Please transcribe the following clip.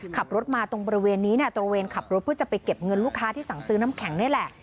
ขับรถมาตรงบริเวณนี้เนี่ยตระเวนขับรถเพื่อจะไปเก็บเงินลูกค้าที่สั่งซื้อน้ำแข็งนี่แหละ